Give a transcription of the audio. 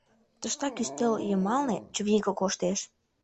Тыштак, ӱстел йымалне, чывиге коштеш.